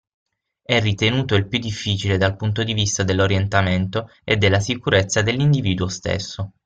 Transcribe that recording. È ritenuto il più difficile dal punto di vista dell'orientamento e della sicurezza dell'individuo stesso.